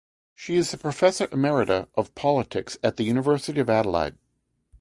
She is the Professor Emerita of Politics at the University of Adelaide.